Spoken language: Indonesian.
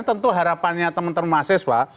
tentu harapannya teman teman mahasiswa